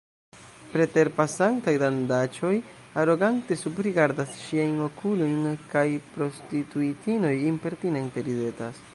Preterpasantaj dandaĉoj arogante subrigardas ŝiajn okulojn kaj prostituitinoj impertinente ridetas.